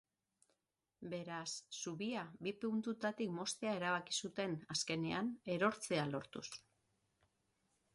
Beraz, zubia bi puntutatik moztea erabaki zuten, azkenean, erortzea lortuz.